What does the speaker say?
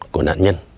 của nạn nhân